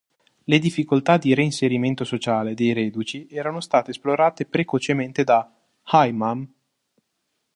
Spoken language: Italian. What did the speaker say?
Le difficoltà di reinserimento sociale dei reduci erano state esplorate precocemente da "Hi, Mom!